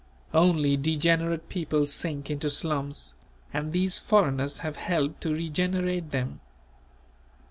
Only degenerate people sink into slums; and these foreigners have helped to regenerate them.